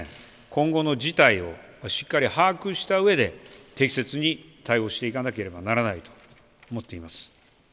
今後の事態をしっかり把握したうえで適切に対応していかなければならないと思っています。